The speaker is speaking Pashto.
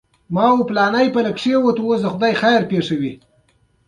برټانیې له افغانستان سره متارکه کړې وه.